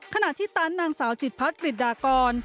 ขนาดที่ตั๊นนางสาวจิตพักฤทธิ์ดากร